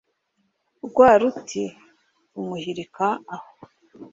Rwa ruti rumuhirika aho